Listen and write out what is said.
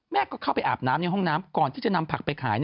เข้าไปอาบน้ำในห้องน้ำก่อนที่จะนำผักไปขาย